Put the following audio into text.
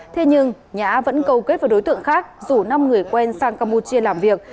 thế nhưng nhã vẫn cầu kết với đối tượng khác rủ năm người quen sang campuchia làm việc